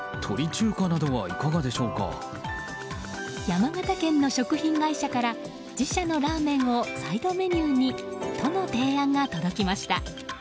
山形県の食品会社から自社のラーメンをサイドメニューにとの提案が届きました。